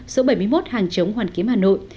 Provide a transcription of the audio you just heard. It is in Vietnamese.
số bảy mươi một hàng chống hoàn kiếm hà nội